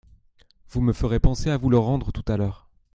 Vous me ferez penser à vous le rendre tout à l’heure.